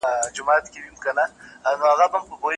د پردیو په کمال ګوري جهان ته